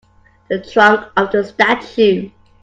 The trunk of a statue.